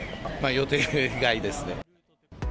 予定外ですね。